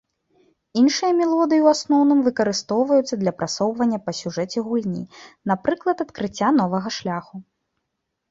Іншыя мелодыі ў асноўным выкарыстоўваюцца для прасоўвання па сюжэце гульні, напрыклад, адкрыцця новага шляху.